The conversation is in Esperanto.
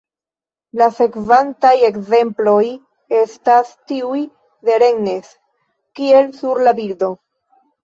La sekvantaj ekzemploj estas tiuj de Rennes, kiel sur la bildo.